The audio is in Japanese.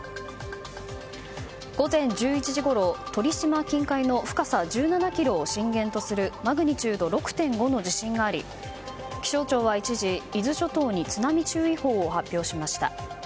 午前１１時ごろ、鳥島近海の深さ１７ｋｍを震源とするマグニチュード６．５の地震があり気象庁は一時、伊豆諸島に津波注意報を発表しました。